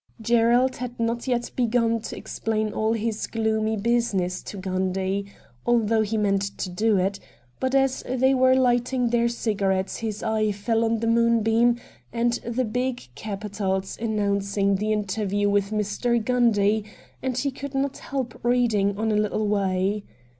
Gerald had not yet begun to explain all this gloomy busi ness to Gundy — although he meant to do it — but as they were lighting their cigarettes his eye fell on the ' Moonbeam ' and the big capitals announcing the interview with Mr. Gundy, and he could not help reading on a little way.